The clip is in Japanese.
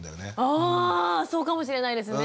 ああそうかもしれないですね。